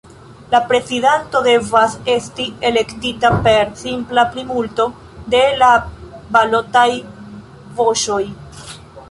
La prezidanto devas esti elektita per simpla plimulto de la balotaj voĉoj.